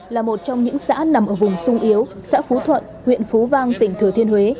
là một trong những xã nằm ở vùng sung yếu xã phú thuận huyện phú vang tỉnh thừa thiên huế